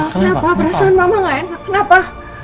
kenapa perasaan mama gak enak kenapa